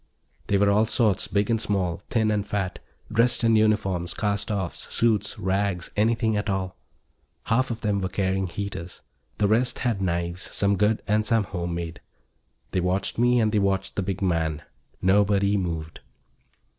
They were all sorts, big and small, thin and fat, dressed in uniforms, cast offs, suits, rags, anything at all. Half of them were carrying heaters. The rest had knives, some good and some home made. They watched me and they watched the big man. Nobody moved.